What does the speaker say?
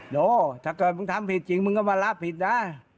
โดถ้าเกิดมึงทำผิดจริงมึงก็มารับผิดนะ